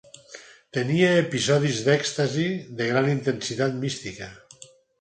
Tenia episodis d'èxtasi de gran intensitat mística.